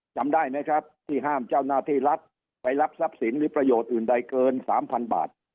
จำได้ไหมครับที่ห้ามเจ้าหน้าที่รัฐไปรับทรัพย์สินหรือประโยชน์อื่นใดเกิน๓๐๐บาท